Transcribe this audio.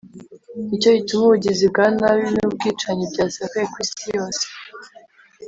ni cyo gituma ubugizi bwa nabi n’ubwicanyi byasakaye ku isi yose,